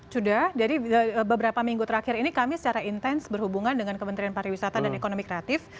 sudah jadi beberapa minggu terakhir ini kami secara intens berhubungan dengan kementerian pariwisata dan ekonomi kreatif